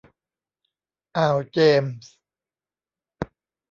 อ่าวเจมส์